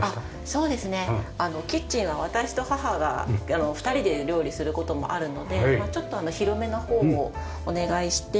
そうですねキッチンは私と母が２人で料理する事もあるのでちょっと広めな方をお願いして。